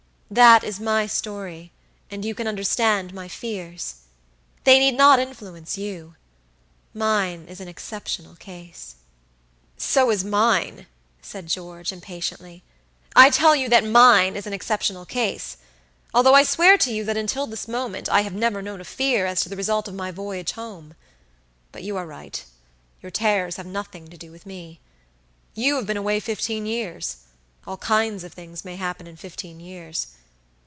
That is my story, and you can understand my fears. They need not influence you. Mine is an exceptional case." "So is mine," said George, impatiently. "I tell you that mine is an exceptional case: although I swear to you that until this moment, I have never known a fear as to the result of my voyage home. But you are right; your terrors have nothing to do with me. You have been away fifteen years; all kinds of things may happen in fifteen years.